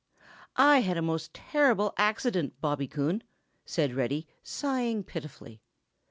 "I've had a most terrible accident, Bobby Coon," said Reddy, sighing pitifully.